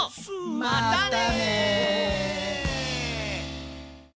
またね！